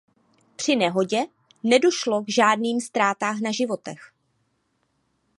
Při nehodě nedošlo k žádným ztrátách na životech.